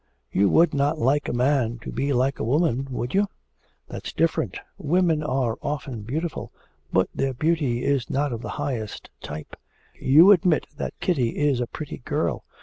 You would not like a man to be like a woman, would you?' 'That's different. Women are often beautiful, but their beauty is not of the highest type. You admit that Kitty is a pretty girl.